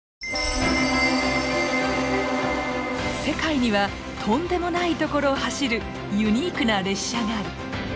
世界にはとんでもない所を走るユニークな列車がある！